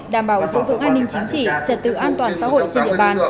đảm bảo sự vững an ninh chính trị trật tự an toàn xã hội trên địa bàn